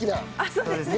そうですね。